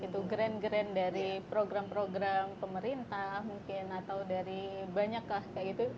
gitu grand grand dari program program pemerintah mungkin atau dari banyak lah kayak gitu